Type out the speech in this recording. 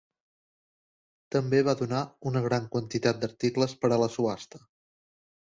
També va donar una gran quantitat d'articles per a la subhasta.